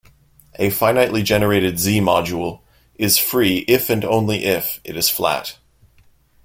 A finitely generated "Z"-module is free if and only if it is flat.